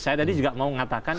saya tadi juga mau mengatakan